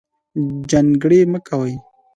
جنګرې مۀ کوئ